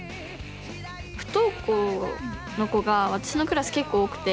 不登校の子が私のクラス結構多くて４５人いて。